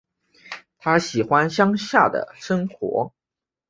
她喜欢乡下的生活